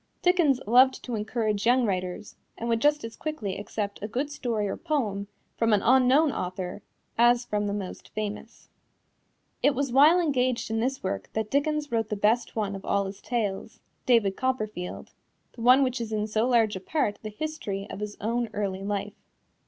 Dickens loved to encourage young writers, and would just as quickly accept a good story or poem from an unknown author as from the most famous. It was while engaged in this work that Dickens wrote the best one of all his tales David Copperfield, the one which is in so large a part the history of his own early life.